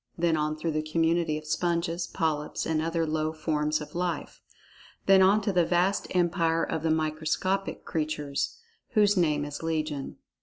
Then on through the community of sponges, polyps, and other low forms of life. Then on to the vast empire of the microscopic creatures, whose name is legion.